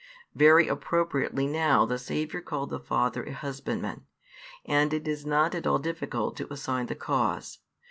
Very appropriately now the Saviour called the Father a Husbandman, and it is not at all difficult to assign the cause.